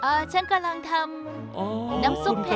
อ่าฉันกำลังทำน้ำซุปเผ็ดค่ะ